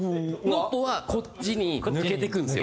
ＮＯＰＰＯはこっちに抜けていくんですよ。